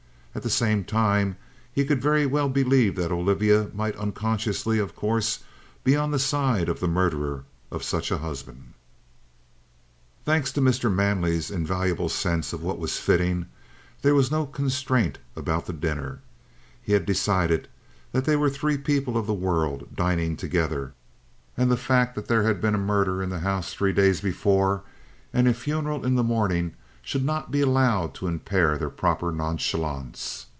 At the same time, he could very well believe that Olivia might, unconsciously of course, be on the side of the murderer of such a husband. Thanks to Mr. Manley's invaluable sense of what was fitting, there was no constraint about the dinner. He had decided that they were three people of the world dining together, and the fact that there had been a murder in the house three days before and a funeral in the morning should not be allowed to impair their proper nonchalance.